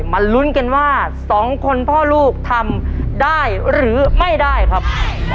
มาลุ้นกันว่าสองคนพ่อลูกทำได้หรือไม่ได้ครับ